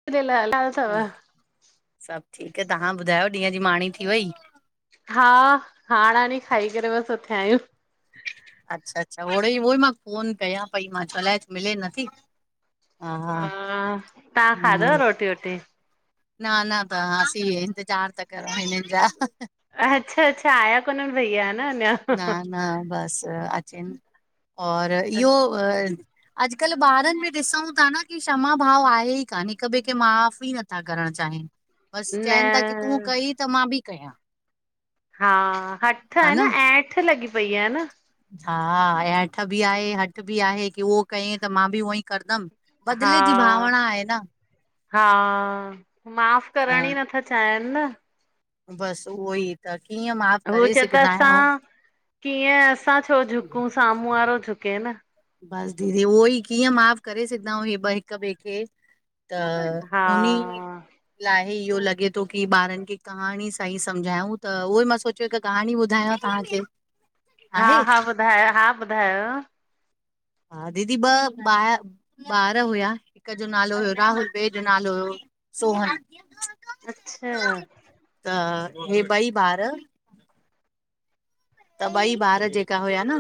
[inaudible] सब ठीकु आ, तव्हां ॿुधायो ॾींहं जी माणी थी वई? हा, हाणे खाई करे बसि उथिया आहियूं। अच्छा, अच्छा, ओड़े ई उहो ई मां फोन कयां पई मां च्यो अलाए छो मिले नथी हा हा तव्हां खाधव हम्म रोटी वोटी? न न, त असीं इंतज़ार था करूं हिननि जा अच्छा, अच्छा आया कोन्हनि भईया न अञा? न न बस अचेनि और इहो अॼुकल्ह ॿारनि में ॾिसूं था न, की क्षमा भाव आहे ई कान, हिक ॿिए खे माफ़ ई नथा करणु चाहिनि। बसि न चइनि था की तूं कई, त मां बि कयां। हा, हठ आहे न हेठ लॻी पई आहे न। हा, ऐंठ बि आहे हठ बि आहे की उहो कईं त मां बि उहो ई कंदमि हा, हा, माफ़ करण ई नथ चायन न बस उहो ई त कीअं माफ हूअ, चेई त असां कीअं असां छो झुकूं साम्हूं वारो झुके न। बस दीदी, उहो ही, कीअं माफ़ करे, सघंदा हे ॿई हिक ॿिए खे। त, हा उन्ही लाहे इहो लॻे थो, की ॿारनि खे कहाणी सां ही सम्झायऊूं, त उहो ई मां सोच हिक कहाणी ॿुधाया तव्हांखे। हा, आहे हा, ॿुधायो हा ॿुधायो। हा, दीदी ॿ ॿार हुया हिक जो नालो हुयो राहुल। ॿिए जो नालो हुयो सोहन। अच्छा! त हे पई ॿार त ॿई ॿार जेका हुया न।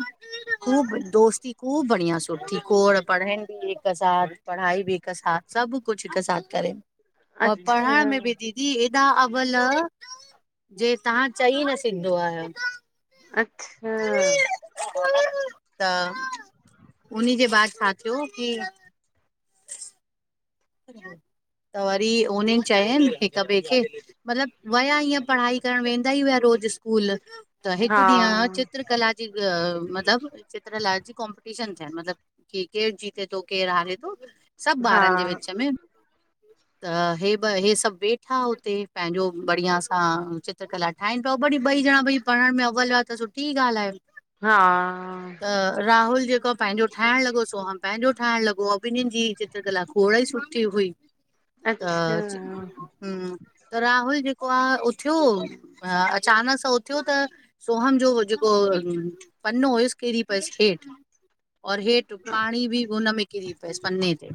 ख़ूब दोस्ती, ख़ूब बढ़िया सुठी खोड़ पढ़न, बि हिक साथ पढ़ाई, बि हिक साथ। सभ कुछ हिक साथ करें, औ पढ़ण अच्छा में बि द जी ऐॾा, अवल जे तव्हां चई न सघंदो आ अच्छा त उन्ही जे बाद छा थियो की त वरी उन्हिन चयनि हिक ॿिए खे। मतलब वया ईअं पढ़ाई करण वेंदा ही हुया रोज़ स्कूल। त हा हिकु, ॾींहं चित्रकला जी मतलब चित्रकला जी कॉम्पिटीशन थियनि मतलब कि केर जीते थो केर हारे थो सब हा ॿारनि जे विच में त हे ॿ हे सभ वेठा उते पंहिंजो बढ़िया सां चि चित्रकला ठाहनि पिया, वरी ॿई ॾणा भाई पढ़ण में अवल हुया, त सुठी ॻाल्हि आहे। हा त राहुल जेको पंहिंजो ठाहिण लॻो सोहम पंहिंजो ठाहिण लॻो बिंअिन जी चित्रकला खोड़ ही सु सुठी हुई त अच्छा हम्म त राहुल जेको आ उथियो अ अचानक सां उथियो त सोहम जो जेको पनो हुयुसि किरी पयुसि हेठ और हेठ पाणी बि हुन में किरी पयुसि पने ते।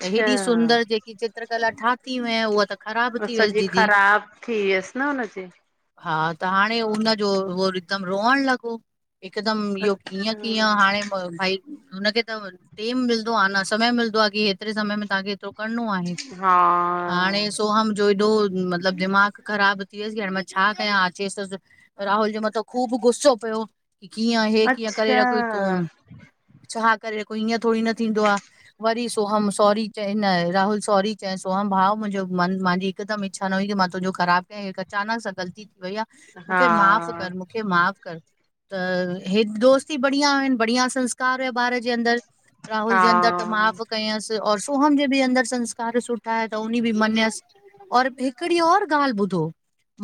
त हेॾी सुंदर, जेकी चित्रकला ठाती हुय उहा त ख़राब थी वियसि सॼी दीदी ख़राब थी वियसि न हुनजी। हा, त हाणे हुनजो उहो हिकदमि रोअण लॻो। हिकदम इहो कीअं, अच्छा कीअं हाणे भाई हुनखे त टेम मिलंदो आ न, समय मिलंदो आ, कि हेतिरे समय में तव्हांखे हेतिरो करणो आहे हा हाणे स्कू सोहम जो हेॾो मतलब दिमाग़ ख़राब थी वियुसि कि हाणे मां छा कयां अचेस त राहुल जे मथां ख़ूब गुस्सो कयो कि कीअं हे कीअं करे अच्छा रखूं तूं छा करे कोई ईअं थोड़ी न थींदो आ वरी सोहम सॉरी चईं न राहुल सॉरी चईं सोहम भाव मुंहिंजो मन मांजी हिकदमि इच्छा न हुई की मां तुंहिंजो ख़राब हे अचानक सां ग़लती थी वई आ हा मूंखे माफ़ कर मूंखे माफ़ कर त हे दोस्ती बढ़िया हन बढ़िया संस्कार हुया ॿार जे अंदर। राहुल हा जे अंदर त माफ़ कयसि और सोहम जे बि अंदर संस्कार सुठा हुयसि त उन बि मञयसि। और हिकड़ी और ॻाल्हि ॿुधो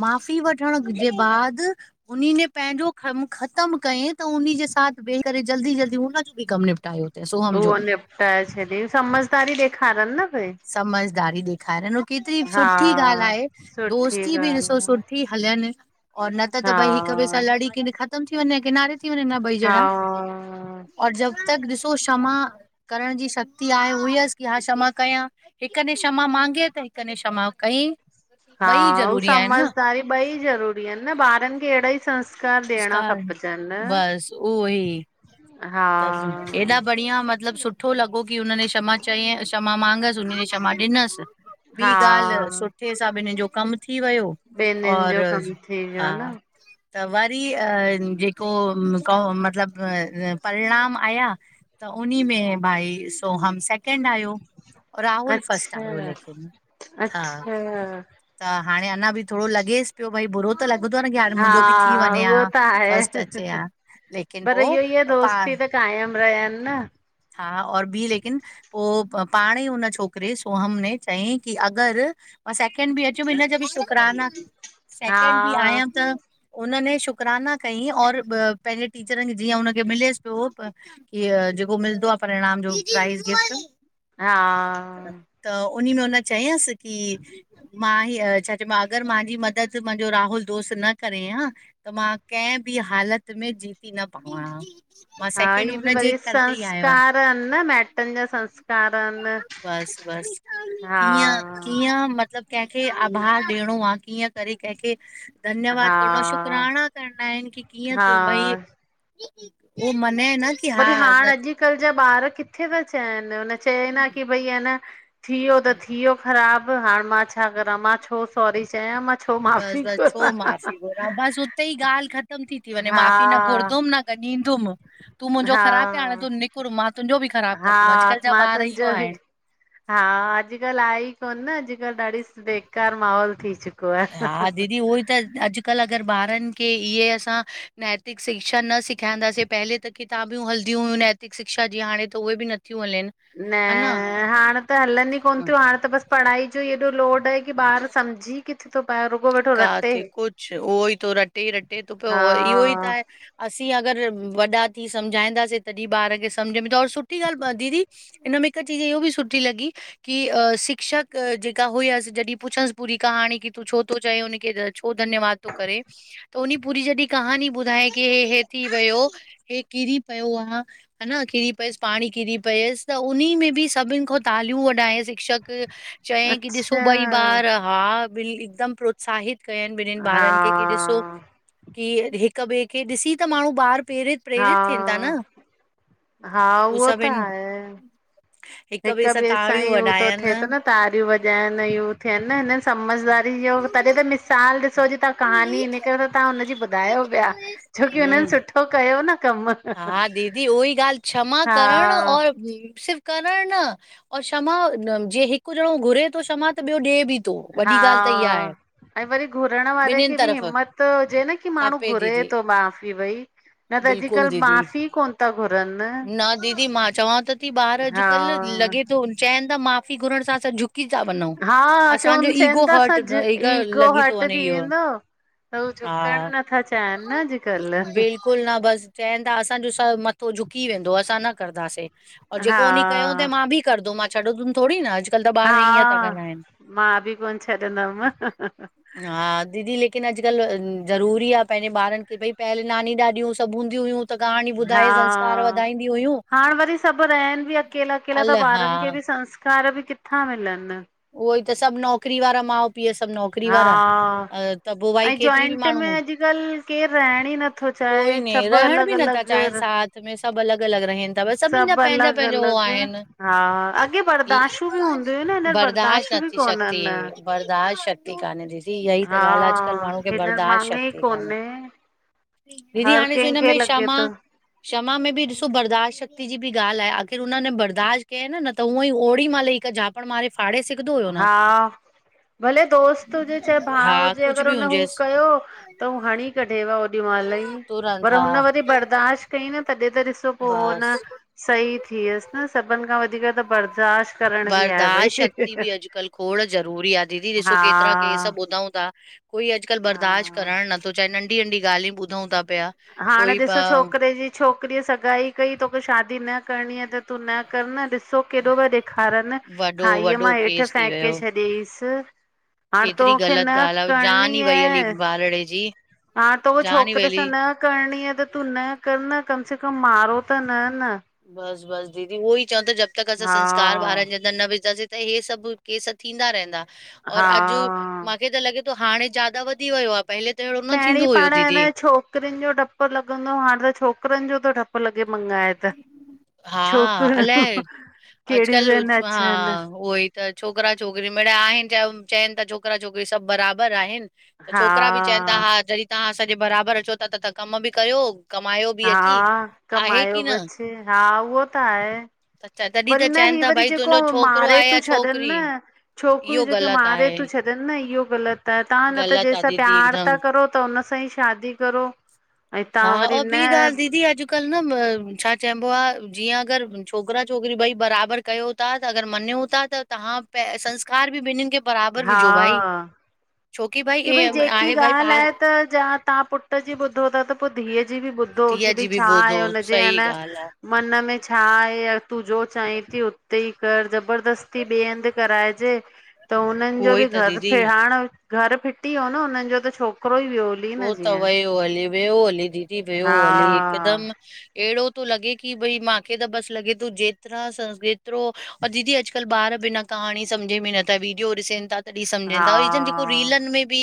माफ़ी वठण जे बाद उन्हनि पंहिंजो कम ख़त्म कयईं त उन जे साथ वेही करे जल्दी -जल्दी हुनज जो बि कम निपटायो तई सोहम जो भी। त छॾी समझदारी डेखारनि न भई। समझदारी ॾेखारनि केतिरी हा सुठी ॻाल्हि आए सुठी दोस्ती बि ॻाल्हि ॾिसो आहे सुठी। हलनि और न त त भई हिक ॿिए हा सां लड़ी करे ख़तम थी वञे किनारे। थी वॼन आ बई ॼणा। हा और जब तक ॾिसो क्षमा करण जी शक्ति आहे हुईयसि की हा क्षमा कया। हिक ने क्षमा मांॻे त हिक ने क्षमा कई। हा। ऐं समझदारी ॿई ज़रूरी आहिनि न ॿारनि खे अहिड़ा ई संस्कार ॾियणा नमस्कार खप प च न [unintelligible] बस ऊ हो ई। त एॾा बढिया मतलब सुठ सुठो लॻो की हुननि क्षमा चई क्षमा मांगसि हुन क्षमा ॾिनस। हा ॿी ॻाल्हि सुठे सां ॿिनहिनि जो कमु थी वियो। ॿिन्हिनि और जो कम थी वियो हा। न त। वरी जे कोअ जेको मतिलब। परिणाम आया। त उन्ही में भाई सोहम से सेकेंड आयो और राहुल फर्स्ट आयो अच्छा लेकिन हा। अच्छा त हाणे अञा बि थोरो लॻेसि पियो भई बुरो। त लॻंदो आहे न की हाणे हा मुंहिंजो बि थी वञे आ। उहो त फस्ट आहे अचे पर आ लेकिन पोह। इहो ई आहे, दोस्ती त कायम रहियन न। हा। और ॿी लेकिन? पोह पाणही हुन छोकिरे सोहम ने चईं की अॻर। मां सेकिेंड बि अचु हिनजा बि। शुकराना हा सेकिणड बि आयमि त हुनमे शुकराना कईं और ॿ पंहिंजे टीचरनि जीअं हुन। बियो मिलेस पियो की जेको मिलंदो आ। परिणाम जो प्राइज़ गिफ्ट। हा त उन्ही में हुन चयस की। मां ई अ छा चयबोआ अगर मांझी मदद मुंहिंजो राहुल दोस्त न करे हा। त मां कै बि हालत में जीती न पावां आ। हा। हि बि वरी आयो संस्कार आ न माइटनि जा संस्कार न। बस, बस। कीअं, कीअं मत त कैंखे आभार ॾियणो आ। कीअं करे कैंखे। हा धन्यवाद करणो आ शुकराना करणा आहिन की कीअं त भई। हा उह मने न की हा न। अॼकल जा ॿार किथे था। चयन हुन चए न की भई आ न। थीवयो त थीवयो ख़राबु हाणे मां छा करां मां छो सॉरी चया मां। छो बस माफ़ी बस घुरां छो माफ़ी घुरा बस उते ई ॻाल्हि ख़तम थी। ती वञे हा माफ़ी न घुरंदम न। त ॾीदुम। तूं मुंहिंजो हा ख़राब कै हाणे तू निकुर मां तुंहिंजो भी ख़राब हा कंदम अजकल जा ॿार आत्मातंजो इहो आहिन। हा अजकल आहे ई कोन न अजकल ॾाढी बेकार माहौल थी चुक हा। दीदी उहो त अॼ। अजकल अॻर ॿारन खे इहे असां नैतिक शिक्षा न सेखारींदासीं पेहले त। किताबियूं हलंदियूं हुयूं नैतिक शिक्षा जी हाणे त उहे बि नथियूं हलनि। न हा हाणे त हलनि ई कोन न थियूं हाणे त बसि पढ़ाई जो ई। हेॾओ लोड आहे की ॿार समझी किथे थो पाए रुको बेठो रटे। टे ई रटे तो पियो हा इहो ई त आहें। असीं अॻरि वॾा थी सम्झाईंदांसीं तॾहिं ॿार खे सम्झ में त और सुठी ॻाल्हि दीदी। हिनन में हिकु चीज़ इहो बि सुठी लॻी की अ शिक्षक जेका हुयसि। जॾि पुछस पूरी कहाणी की तूं छो थो चएं हुनखे? छो धन्यवाद तो करे त उन पूरी जॾि कहानी ॿुधाएं की ह हे थी वियो। हे किरी पयो आ। हना किरी पयस पाणी किरी पियस त उन में ॿि सॿिन खां तालियूं वॾायस शिक्षक। चएई की ॾिसो अच्छा ॿई ॿार हा हिकदम प्रोत्साहित कयन ॿिनन ॿारन खे की ॾिसो। हा की हिक ॿे खे ॾिसी त माणू ॿार पैरें हा प्रेरित थिदां न हा हू उहो त सॿिन। आहे हिक ॿै सां ई उ तो थेए त न तारियूं वॼाइन इयो। चयंदा आयन न समझदारी ॼो तॾे त मिसाल ॾिसो ॼी तां कहानी हिन करे त तां हुनॼी। ॿुधायो पया छोकी हुनन हम्म सुठो कयो न कम। ॻाल क्षमा करण और सिर्फ़ करण न क्षमा ॼे हिक ॼणो घुरे तो त ॿयो ॾेए ॿि तो। हां ऐं वरी घुरण वारे ॿिन्हिनि खे ॿि तरफ़ हिम्मत हुजे न की माणू घुरे तो माफ़ी भई। न त बिल्कुल अॼुकल्ह दीदी माफ़ी कोन था घुरनि न दीदी मां चवां त ती ॿार। अॼकल हा लॻे तो चयन ता माफ़ी घुरण सां असां झु की ता वञो। हा चवन चयन ता असांज ईग ईगो लॻी थो हर्ट वञे थी इहो वेंदो। त हू झुकण नथा चायन न अॼकल। बिल्कुल न बस चयन ता असांजो सॿ मथो झुकी वेंदो असां न करदासीं। और हा जेको उन कयो त मां ॿि कंरदोमा मां छॾंदुम थोरी न अु हा मां ॿि कोन छॾंदम। हा दीदी लेकिन अॼकल ज़रूरी आ पैंजे ॿारन खे भई पहले नानी ॾाॾियूं सॿ हूंदी हुयूं। त कहाणी ॿुधाए संस्कार हां वधाईंदी हुयूं हाणे वरी सॿ रहन ॿि अकेला -अकेला अल त हा ॿारन खे ॿि संस कार ॿि किथां मिलण उहो ई त सॿ नौकरी वारा माउ पीउ सॿ नौक हां ऐं केतिरी बि जॉइंट में माण्हू अॼकल केर रहण ई नथ नथों कोई चाये न सॿ रहण बि नथा चाहिनि अलॻ-अलॻ साथ में सभु अलॻि अलॻि रहनि था बसि सॿ सभिनि जा पंहिंजा पंहिंजा हो अलॻ-अलॻ। आहिनि हा अॻे बर्दाशू ॿि हूंदीय हुयूं न हिनींर बर्दाश्त बर्दाशूं ॿि नथी शक्ति कोनन। बर्दाश्त शक्ति काने दीदी इहां ई त ॻाल आ अॼकल माणू खे हींअर बर्दाश्त मांङे ई शक्ति काने। कोन्हे दीदी हर हाणे सुईंद कंहिंखे हिनमे लॻे क्षमा। थो क्षमा में ॿि ॾिसो बरदाश्त शक्ति ॼी ॿि ॻाल आये आख़िर हुनन बरदाश्त कियन न। त हुअं ई ओड़ी महिल ई हिक झापण मारे फाड़े सघंदो होयो न। हा भले दोस्त हुजे चाये भा हा हुजे कुझु अगर बि हुन हू हुजेसि कयो। त हू हणी कढेव ओॾी मल ई तुरंत पर हा हुन वरी बर्दाश्त कईं न तॾि त त पो बस न सई थियस न सॿन खां वधीक त बर्दाश्त करण ॿि आये भई ह-ह-ह-ह अॼकल खोड़ ज़रूरी आ दीदी ॾिसो केतरा केस ॿुधऊ ता कोई अॼकल बर्दाश्त हा करन नथो चाये नंढी-नंढी ॻालियु ॿुधयुं त पया। हाणे ॾिसो छोकरे जी छोकिरीअ सगाई कई तोखे शादी न न करणी आ त तूं न कर न ॾिसो केॾो पया ॾेखारन। वॾो खाईअ वॾो मां हेठ केस फेके छॾियईस। केतरी ग़लत ॻाल आ जान ई वई हली ॿारड़े ॼी। हां त उयो छोकरे सां न करणी आहे, त तूं न कर न। कम से कम मारो त न न। बस-बस दीदी, उ ई चवंद जब तक असां हा सस्कार बारनि जा न विझंदसीं त हे सभ केस थींदा रहंदा। और हा अॼु मूंखे त लगा त हाणे ज्यादा वधी वियो आहे। पहले त अहिड़ो न थींदो हुयो दीदी। छोकिरिनि जो डॾपु लॻंदो। हाणे त छोकिरनि जो थो डॾपु लॻे मङाए त। हां, छोकिर अलाए कहिड़ियूं पिया न अॼकल्ह अचनि हां, उहो ई त छोकिरा छोकिरी मिड़या आहिन। च चवनि था छोकिरा छोकिरी सभ बराबरि आहिन। त छोकिरा बि चवनि था। हा हा जॾहिं तव्हां असांजे बराबरि अचो था। त तव्हां कम बि कयो। कमायो बि अची, आहे की न? हां, उहो त आहे। त च- तॾहिं वरी त न, चइनि ही था वरी भई जेको तुंहिंजो छोकिरो मारे आहे या थ छॾनि छोकिरी न। छोकिरियूं इहो जेके ग़लति मारे आहे थ छॾनि। न इहो ग़लति आहे। तव्हां न त ग़लति आहे जंहिंसां दीदी प्यार हिकदमि था करो, त हुन सां ई शादी करो ऐं तव्हां हां, वरी आउ न बि गाल दीदी अॼ अॼुकल्ह न, छा चइबो आहे। जीअं अगरि छोकिरा छोकिरी ॿई बराबरि कयो त थ्या अगरि मञूं था। त तव्हां प संस्कार बि ॿिन्नि खे बराबरि हा विझो। भई, छोकी भाई की भई जेकी आहे। भाई ॻाल्हि बार आहे त ज तव्हां पुट जी ॿुधो था त पोइ धीअउ जी बि ॿुधो। की धीअ भई जी बि छा आहे। ॿुधो हुनजे सही न ॻाल्हि आहे मन में छा आहे। तूं जो चाहीं थी तई उथिही कर जबरदस्ती ॿिए हंधि कराइजे। त हुननि जो उहो ई बि त घर, दीदी हाणे घर फिटी वियो न। हुननि जो त छोकिरो ई वियो। हली न उहो त जीअं वियो हली, वियो हली दीदी वियो हा हली। हिकदमि अहिड़ो थो लॻे की, भई मूंखे त बसि लॻे तूं जेतिरा स जेतिरो और दीदी, अॼुकल्ह ॿार बिना कहाणी सम्झ में नथा, वीडियो ॾिसनि था। तहिं हा समझंदा, जेको रीलन में बि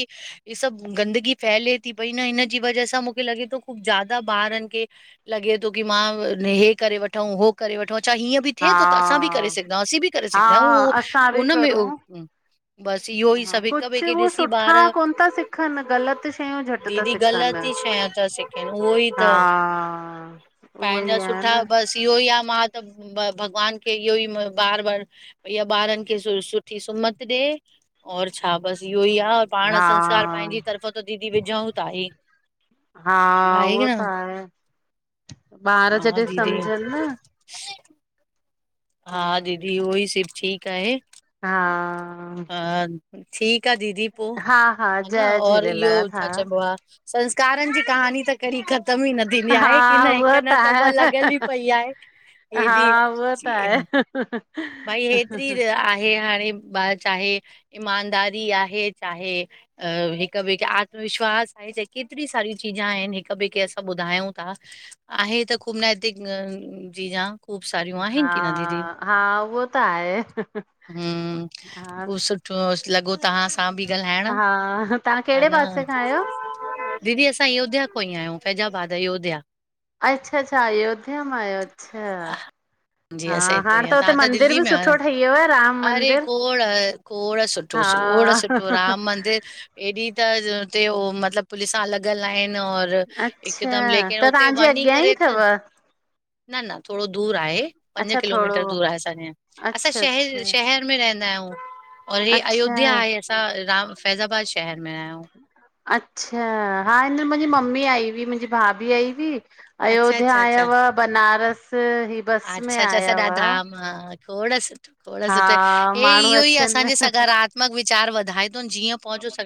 सभ गंदीगी फैले थी पई न। हिन जी वजह सां मूंखे लॻे थो, ख़ब ज़्यादा ॿारनि खे लॻे थो की, मां हे करे वठूं, हो करे वठूं- छा हीअं बि थिए हा थो त असां बि करे सघा आहियूं, असीं बि करे हा सघा आहियूं, उहो असां बि हुन में- करूं बसि, इहो ई सभु हिक ॿिए खे ॾिसी ॿार ख न ग़लति शयूं झटि था दीदी सिखनि ग़लति ई शयां था सिखनि। उहो ई हा त, उहो ई पंहिंजा आहे सुठा, न बसि इहो ई आहे। मां त भॻवान खे इहो ई बार बार भई, इ ॿारनि खे सुठी सुमत ॾे। और छा बसि इहो ई आहे। और पाण, संस्कार पंहिंजी तरफ हां, आहे की उहो न त आहे। ॿार हा जॾहिं दीदी सम्झनि न? हां, हम्म, दीदी उहो ई सिफ़ ठीकु आहे। हा हां, ठीकु आहे दीदी पोइ। हा हा ह न, जय और इहो झूलेलाल हा छा चइबो आहे। संस्कारनि जी कहानी त कॾहिं ख़तम ई न थी। दी हा आहे की न। उहो हिकु न त आहे मां लॻियल ई पई आहे। हा हेॾी उहो त आहे। [unintelligible] भई हेतिरी आहे। हाणे चाहे, ईमानदारी आहे। चाहे, हिक ॿिए खे आत्मविश्वास आहे। च केतिरी सारी चीजा आहिन। हिक ॿिए खे असां ॿुधायूं था। आहे त। खूब न हित अ जिजा खूब सारियूं आहिनि की हा-हा उहो त आहे। हूं, सुठो लॻो तव्हां तव्हां बि ॻाल्हाइण हा हा तव्हां कहिड़े हन पासे खां आहियो दीदी असां अयोध्या को ही आहियूं फैजाबाद अयोध्या। अच्छा- अच्छा अयोध्या मां आहियो अच्छा जी हा असां हिते हाणे त आहियूं। हुते त मंदर दिल्ली बि में आहे सुठो न, ठही वियो आहे राम अरे मंदर खोड़, खोड़ हा सुठो खोड़ सुठो, राम मंदिर। ॾी त हुते मतिलब पुलिस सां लॻल आहिन औ अच्छा हिकदम, लेकिन त उते तव्हांजे वञी अॻियां ई करे त अथव न न थोरो दूर आहे, पंज अच्छा थोरो किलोमीटर दूर आहे असांजे, असां अच्छा शहर अच्छा शहर में रहंदा आहियूं और हे अच्छा अयोध्या आहे, असां राम, फैज़ाबाद शहर में आहियूं। अच्छा हा, हिंयर मुंहिंजी मम्मी आई हुई, मुंहिंजी भाभी आई हुई। अच्छा अयोध्या अच्छा आयव अच्छा हुआ, बनारस बस में अच्छा- अच्छा, आया सॾा हुआ धाम, थोड़स थोड़ा हा सुठे हे, माण्हू इहो ही अचनि असांजे सकारात्मक विचार वधाए थो, जीअं पहुचो स